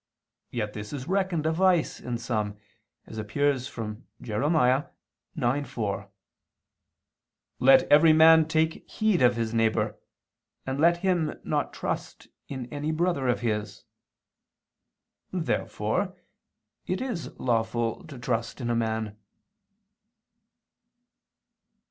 Yet this is reckoned a vice in some, as appears from Jer. 9:4: "Let every man take heed of his neighbor, and let him not trust in any brother of his." Therefore it is lawful to trust in a man.